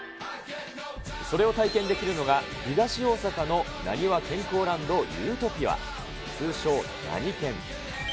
それを体験できるのが、東大阪のなにわ健康ランド、湯とぴあ通称、なにけん。